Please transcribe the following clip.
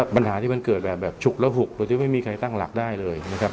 ปัญหาที่มันเกิดแบบฉุกและหุกโดยไม่มีใครตั้งหลักได้เลย